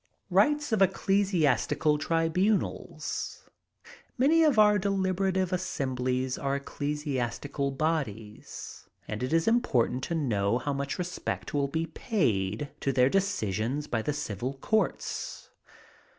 Rights of Ecclesiastical Tribunals. Many of our deliberative assemblies are ecclesiastical bodies, and it is important to know how much respect will be paid to their decisions by the civil courts.